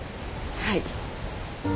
はい。